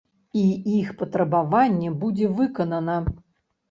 І іх патрабаванне будзе выканана.